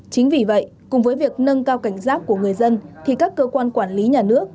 chính vì vậy cùng với việc nâng cao cảnh giác của người dân thì các cơ quan quản lý nhà nước